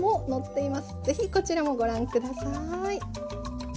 是非こちらもご覧下さい。